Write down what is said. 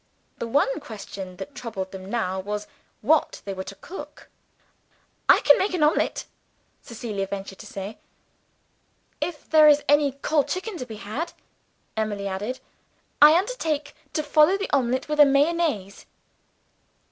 The one question that troubled them now was what they were to cook. "I can make an omelet," Cecilia ventured to say. "If there is any cold chicken to be had," Emily added, "I undertake to follow the omelet with a mayonnaise."